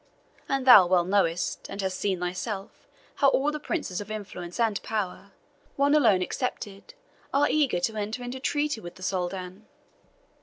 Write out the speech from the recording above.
And thou well knowest, and hast thyself seen, how all the princes of influence and power, one alone excepted, are eager to enter into treaty with the Soldan."